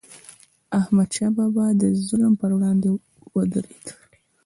احمدشاه بابا به د ظلم پر وړاندې ودرید.